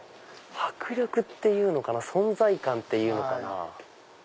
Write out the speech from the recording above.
迫力っていうのかな存在感っていうのかな。